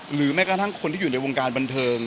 แม้กระทั่งคนที่อยู่ในวงการบันเทิง